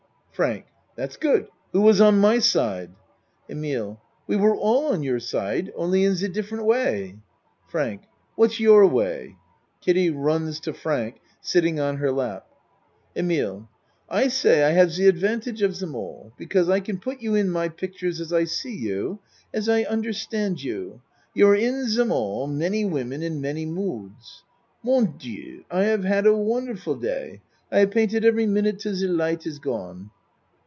FRANK That's good. Who was on my side? EMILE We were all on your side, only in ze different way. FRANK What's your way? (Kiddie runs to Frank, sitting on her lap.) EMILE I say I have ze advantage of zem all because I can put you in my pictures as I see you as I understand you. You are in zem all many women in many moods. Mon Dieu! I have had a wonderful day! I have painted every minute till ze light is gone.